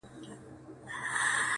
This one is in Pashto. دا چې زما ازموینه وه